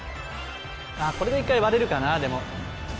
これで１回割れるかなでも。